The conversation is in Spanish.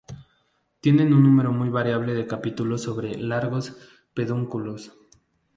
Tienen un número muy variable de capítulos sobre largos pedúnculos.